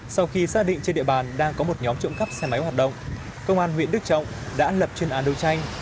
sau khi xác định trên địa bàn đang có một nhóm trộm cắp xe máy hoạt động công an huyện đức trọng đã lập chuyên án đấu tranh